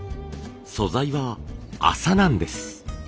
素材は麻なんです。